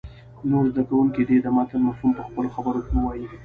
نور زده کوونکي دې د متن مفهوم په خپلو خبرو کې ووایي.